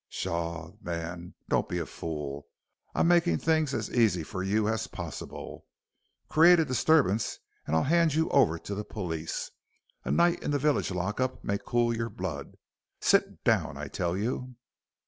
Pshaw, man, don't be a fool. I'm making things as easy for you as possible. Create a disturbance, and I'll hand you over to the police. A night in the village lock up may cool your blood. Sit down I tell you."